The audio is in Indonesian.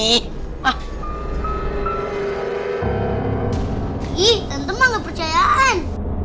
ih tante mah nggak percayaan